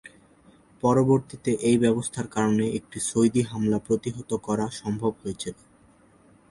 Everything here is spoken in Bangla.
পরবর্তীতে এই ব্যবস্থার কারণে একটি সৌদি হামলা প্রতিহত করা সম্ভব হয়েছিল।